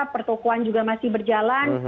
pertokohan juga masih berjalan